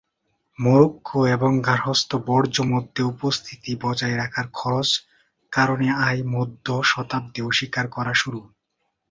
Morocco এবং গার্হস্থ্য বর্জ্য মধ্যে উপস্থিতি বজায় রাখার খরচ কারণে আয় মধ্য শতাব্দী অস্বীকার করা শুরু।